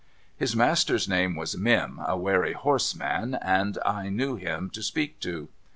His master's name was Mim, a wery hoarse man, and I knew him to speak to.